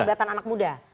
keterlibatan anak muda